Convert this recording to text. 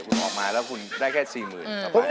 คุณออกมาแล้วคุณได้แค่๔๐๐๐